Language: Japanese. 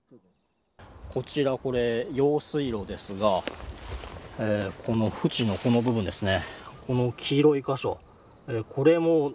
こちら用水路ですが縁のこの部分ですね。